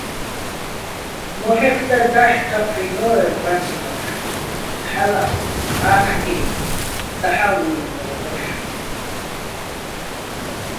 მოჰ̦ეჴდა დაჰ̦ თაჴვინო́ერ ბაცმაქ, ჰ̦ალო̆ ა́ხკინო̆, დაჰ̦ა́ ვუჲლლნო́რ ვაშო̆.